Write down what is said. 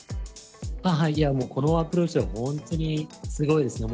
いやもうこのアプローチは本当にすごいですね。